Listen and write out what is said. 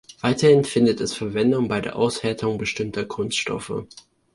Weiterhin findet es Verwendung bei der Aushärtung bestimmter Kunststoffe.